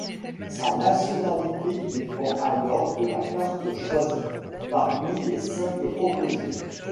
Sa nationalité dépend alors de la carte choisie, parmi les cinq proposées.